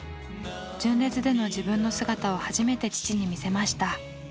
純烈での自分の姿を初めて父に見せました。